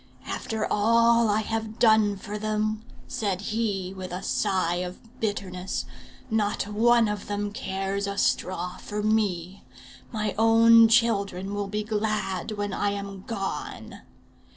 'After all I have done for them,' said he, with a sigh of bitterness, 'not one of them cares a straw for me. My own children will be glad when I am gone!'